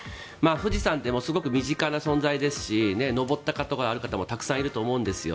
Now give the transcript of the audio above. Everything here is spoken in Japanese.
富士山ってすごく身近な存在ですし登ったことがある方もたくさんいると思うんですよ。